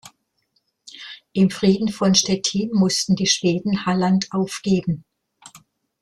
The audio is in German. Im Frieden von Stettin mussten die Schweden Halland aufgeben.